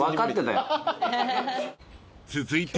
［続いて］